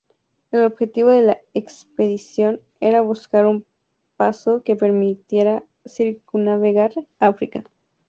El objetivo de la expedición, era buscar un paso que permitiera circunnavegar África.